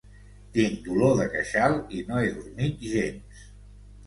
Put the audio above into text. Tinc dolor de queixal i no he dormit gens.